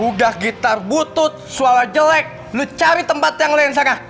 udah gitar butut suara jelek lu cari tempat yang lain sana